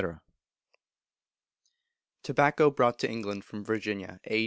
[TABACCO BROUGHT TO ENGLAND FROM VIRGINIA A.